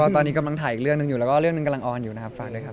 ตอนนี้กำลังถ่ายอีกเรื่องหนึ่งอยู่แล้วก็เรื่องหนึ่งกำลังออนอยู่นะครับฝากเลยครับ